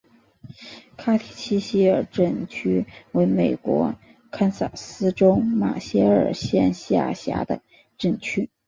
卡蒂奇希尔镇区为美国堪萨斯州马歇尔县辖下的镇区。